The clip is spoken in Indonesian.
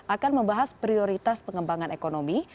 akan membahas prioritas pengembangan ekonomi